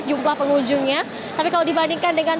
jumlah pengunjungnya tapi kalau dibandingkan dengan